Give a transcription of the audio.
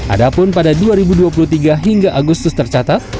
adapun pada dua ribu dua puluh tiga hingga agustus tercatat